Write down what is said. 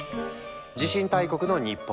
地震大国の日本。